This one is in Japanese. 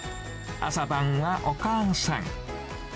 朝晩はお母さん。